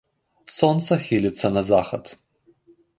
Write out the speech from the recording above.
Сонца хіліцца на захад.